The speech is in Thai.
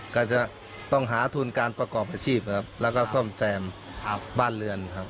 ก็จะต้องหาทุนการประกอบอาชีพครับแล้วก็ซ่อมแซมบ้านเรือนครับ